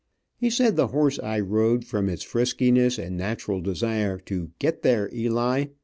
He said the horse I rode, from its friskiness, and natural desire to "get there, Eli!"